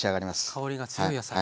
香りが強い野菜。